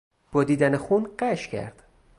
با دیدن خون غش کرد.